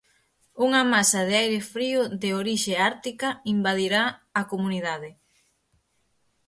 Unha masa de aire frío de orixe ártica invadirá a comunidade.